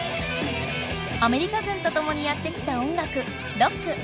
アメリカ軍とともにやって来た音楽ロック。